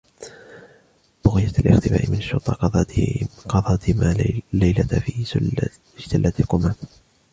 بغية الاختباء من الشرطة ، قضى " ديما " الليلة في سلة قمامة.